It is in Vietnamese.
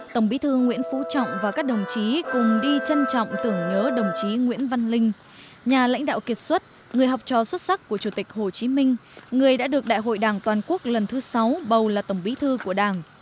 tổng bí thư nguyễn phú trọng và các đồng chí cùng đi trân trọng tưởng nhớ đồng chí nguyễn văn linh nhà lãnh đạo kiệt xuất người học trò xuất sắc của chủ tịch hồ chí minh người đã được đại hội đảng toàn quốc lần thứ sáu bầu là tổng bí thư của đảng